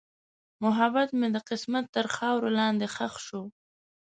محبت مې د قسمت تر خاورو لاندې ښخ شو.